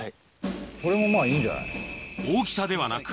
これもまぁいいんじゃない？